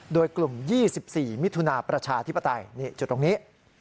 โดยกลุ่ม๒๔มิถุนาประชาธิปไตยนี่จุดตรงนี้